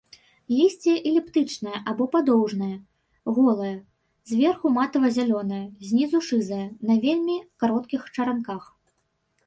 Лісце эліптычнае або падоўжнае, голае, зверху матава-зялёнае, знізу шызае, на вельмі кароткіх чаранках.